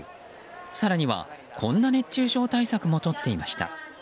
更には、こんな熱中症対策もとっていました。